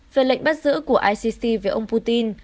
về lệnh bắt giữ của icc với ông putin